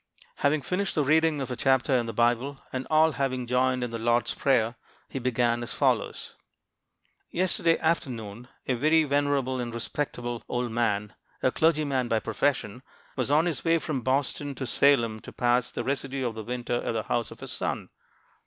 Having finished the reading of a chapter in the Bible, and all having joined in the Lord's Prayer, he began as follows: "Yesterday afternoon a very venerable and respectable old man, a clergyman by profession, was on his way from Boston to Salem to pass the residue of the winter at the house of his son.